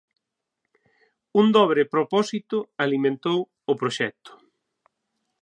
Un dobre propósito alimentou o proxecto.